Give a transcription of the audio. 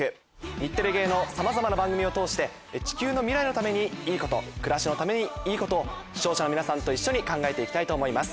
日テレ系のさまざまな番組を通して地球の未来のためにいいこと暮らしのためにいいことを視聴者の皆さんと一緒に考えて行きたいと思います。